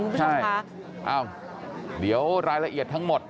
ใช่ค่ะอ้าวเดี๋ยวรายละเอียดทั้งหมด